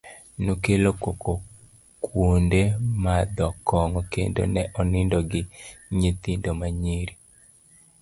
,nokelo koko kwonde madho kong'o kendo ne onindo gi nyithindo ma nyiri